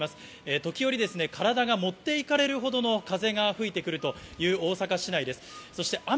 時折、体が持っていかれるほどの風が吹いてくるという大阪市内です。